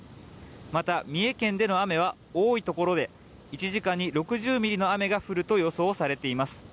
また、三重県での雨は多いところで１時間に６０ミリの雨が降ると予想されています。